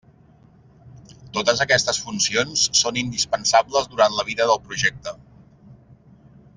Totes aquestes funcions són indispensables durant la vida del projecte.